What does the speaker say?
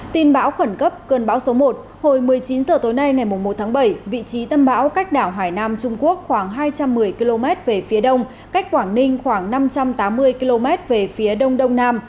tin bão khẩn cấp cơn bão số một hồi một mươi chín h tối nay ngày một tháng bảy vị trí tâm bão cách đảo hải nam trung quốc khoảng hai trăm một mươi km về phía đông cách quảng ninh khoảng năm trăm tám mươi km về phía đông đông nam